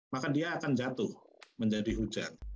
maka dia akan jatuh menjadi hujan